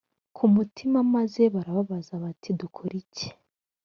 ku mutima maze barabaza bati dukore iki